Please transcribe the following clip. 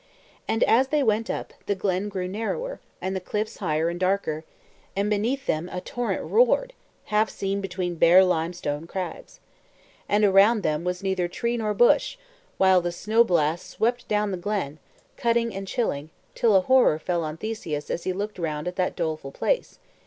And as they went up, the glen grew narrower, and the cliffs higher and darker, and beneath them a torrent roared, half seen between bare limestone crags. And around them was neither tree nor bush, while the snow blasts swept down the glen, cutting and chilling, till a horror fell on Theseus as he looked round at that doleful place.